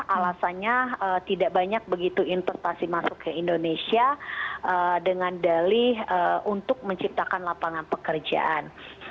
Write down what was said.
alasannya tidak banyak begitu investasi masuk ke indonesia dengan dalih untuk menciptakan lapangan pekerjaan